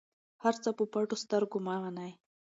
هر څه په پټو سترګو مه منئ.